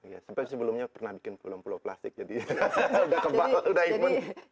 ya sampai sebelumnya pernah bikin pulau pulau plastik jadi udah imun